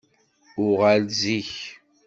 Uɣal-d zik!